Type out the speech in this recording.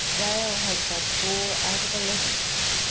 Thrale has but four out of eleven.